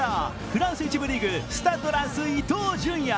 フランス１部リーグ、スタッド・ランス、伊東純也。